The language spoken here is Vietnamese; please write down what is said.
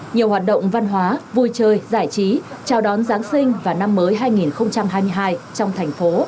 nhiều hoạt động văn hóa vui chơi giải trí chào đón giáng sinh và năm mới hai nghìn hai mươi hai trong thành phố